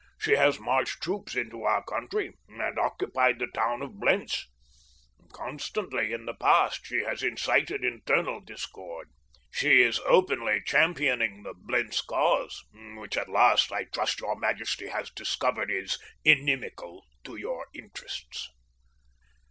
She has marched troops into our country and occupied the town of Blentz. Constantly in the past she has incited internal discord. She is openly championing the Blentz cause, which at last I trust your majesty has discovered is inimical to your interests.